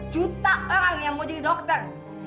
tiga ratus juta orang yang mau jadi dokter